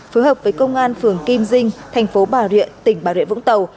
phối hợp với công an phường kim dinh tp bà rịa tp bà rịa vũng tàu